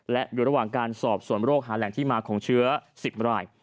และอยู่ระหว่างการสอบส่วนโรคหาแหล่งที่มาของเชื้อ๑๐ราย